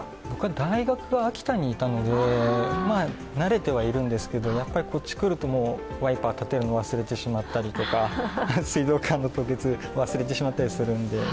大学が秋田にいたので、慣れてはいるんですけどやっぱりこっちに来るとワイパー立てるの忘れてしまったりとか水道管の凍結を忘れてしまったりするので。